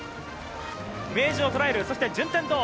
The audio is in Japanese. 明治を捉える、そして順天堂。